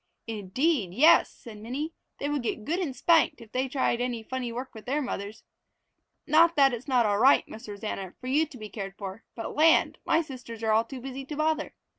"Indeed yes!" said Minnie. "They would get good and spanked if they tried any funny work with their mothers. Not that it's not all right, Miss Rosanna, for you to be cared for, but land, my sisters are all too busy to bother!